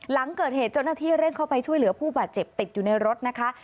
หลังเกิดเหตุเจ้าหน้าที่เร่งเข้าไปช่วยเหลือผู้บาดเจ็บติดอยู่ในรถนะคะ